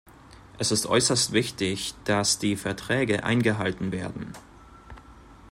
Es ist äußerst wichtig, dass die Verträge eingehalten werden.